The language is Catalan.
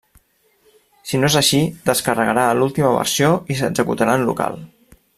Si no és així, descarregarà l'última versió i s'executarà en local.